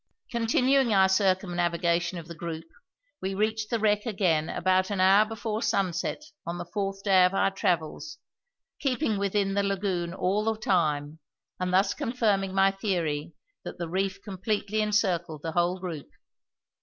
Continuing our circumnavigation of the group, we reached the wreck again about an hour before sunset on the fourth day of our travels, keeping within the lagoon all the time and thus confirming my theory that the reef completely encircled the whole group.